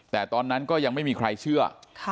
แต่ตอนนั้นก็ยังไม่มีใครเชื่อ